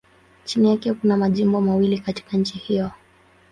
Chini yake kuna majimbo mawili katika nchi hiyohiyo.